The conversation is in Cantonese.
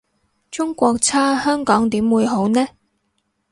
中國差香港點會好呢？